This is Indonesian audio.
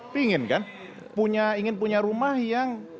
pingin kan ingin punya rumah yang